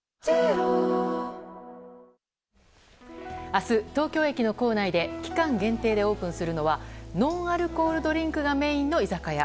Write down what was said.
明日、東京駅の構内で期間限定でオープンするのはノンアルコールドリンクがメインの居酒屋。